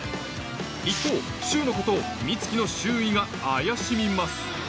一方柊のことを美月の周囲が怪しみます